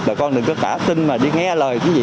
bà con đừng có tả tin mà đi nghe lời cái gì